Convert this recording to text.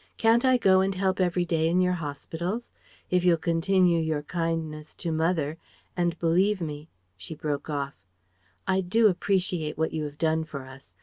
Can't I go and help every day in your hospitals? If you'll continue your kindness to mother and believe me" she broke off "I do appreciate what you have done for us.